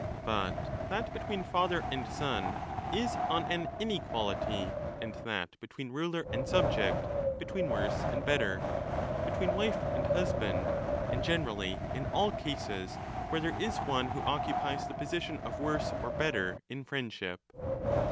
But that between father and son is on an inequality, and that between ruler and 10 subject, between worse and better, between wife and hus band, and generally in all cases where there is one who occupies the position of worse or better in friendship.